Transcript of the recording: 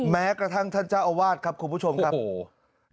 แม้กระทั่งท่านเจ้าอาวาสครับคุณผู้ชมครับโอ้โห